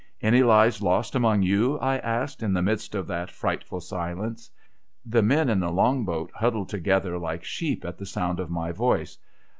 'Any lives lost among you?' I asked, in the midst of that frightful silence. 'I'he men in the Long boat huddled together like sheep at the sound of my voice.